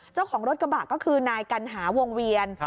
เจ้าของรถกระบะก็คือนายกัณหาวงเวียน